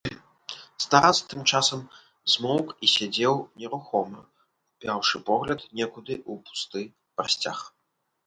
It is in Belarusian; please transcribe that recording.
Старац тым часам змоўк і сядзеў нерухома, упяўшы погляд некуды ў пусты прасцяг.